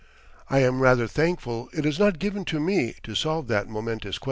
I am rather thankful it is not given to me to solve that momentous question.